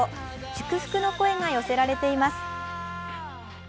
祝福の声が寄せられています。